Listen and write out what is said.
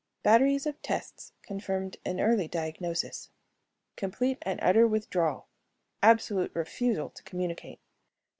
Batteries of tests confirmed an early diagnosis: complete and utter withdrawal; absolute refusal to communicate.